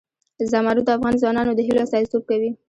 زمرد د افغان ځوانانو د هیلو استازیتوب کوي.